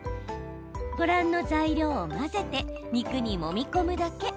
ご覧の材料を混ぜて肉にもみ込むだけ。